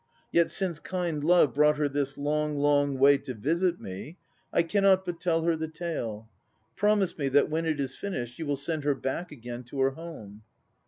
Yet since kind love brought her this long, long way to visit me, I cannot but tell her the tale. Promise me that when it is finished you will send her back again to her home.